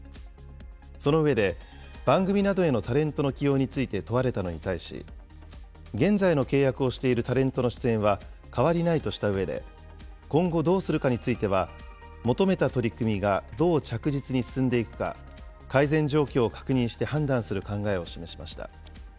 その上で、番組などへのタレントの起用について問われたのに対し、現在の契約をしているタレントの出演は変わりないとしたうえで、今後、どうするかについては、求めた取り組みがどう着実に進んでいくか、改善状況を確認して判断する考えを示しました。